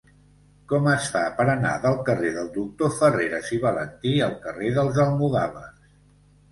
Com es fa per anar del carrer del Doctor Farreras i Valentí al carrer dels Almogàvers?